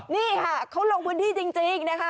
นี่ค่ะเขาลงพื้นที่จริงนะคะ